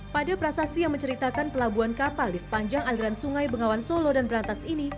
pada prasasti yang menceritakan pelabuhan kapal di sepanjang aliran sungai bengawan solo dan berantas ini